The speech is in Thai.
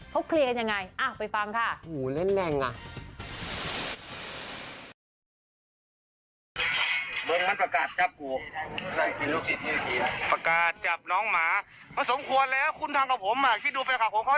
เขาเคลียร์กันยังไงไปฟังค่ะ